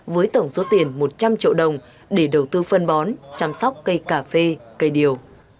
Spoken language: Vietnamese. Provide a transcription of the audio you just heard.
với tổng số tiền một trăm linh triệu đồng để đầu tư phân bón chăm sóc cây cà phê cây điều